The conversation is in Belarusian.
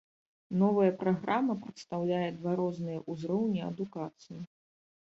Новая праграма прадстаўляе два розныя ўзроўні адукацыі.